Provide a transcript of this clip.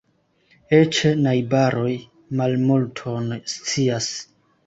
Eĉ najbaroj malmulton scias.